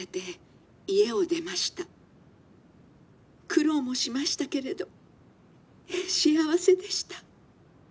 苦労もしましたけれど幸せでした。